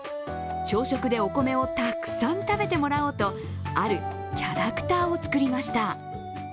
朝食でお米をたくさん食べてもらおうと、あるキャラクターを作りました。